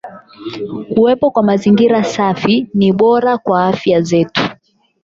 Kuwepo kwa mazingira safi ni bora kwa afya zetu.